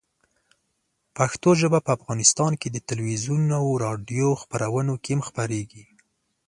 پښتو ژبه په افغانستان کې د تلویزیون او راډیو خپرونو کې هم خپرېږي.